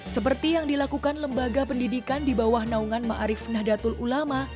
seperti yang dilakukan lembaga pendidikan di bawah naungan ma arif nahdlatul ulama